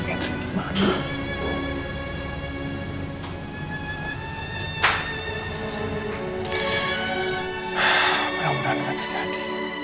berang berang akan terjadi